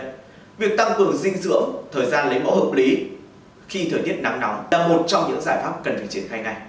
vì vậy việc tăng cường dinh dưỡng thời gian lấy mẫu hợp lý khi thời tiết nắng nóng là một trong những giải pháp cần phải triển khai ngay